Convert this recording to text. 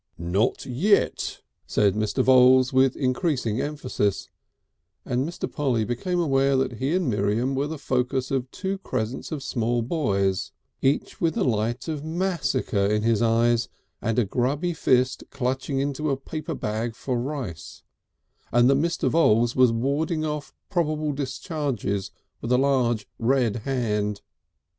"Not yet," said Mr. Voules with increasing emphasis, and Mr. Polly became aware that he and Miriam were the focus of two crescents of small boys, each with the light of massacre in his eyes and a grubby fist clutching into a paper bag for rice; and that Mr. Voules was warding off probable discharges with a large red hand.